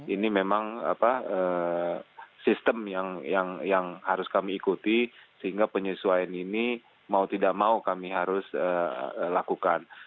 ini memang sistem yang harus kami ikuti sehingga penyesuaian ini mau tidak mau kami harus lakukan